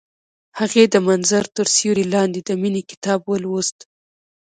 هغې د منظر تر سیوري لاندې د مینې کتاب ولوست.